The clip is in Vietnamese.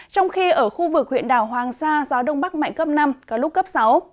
trong khi ở khu vực huyện đảo hoàng sa gió đông bắc mạnh cấp năm có lúc cấp sáu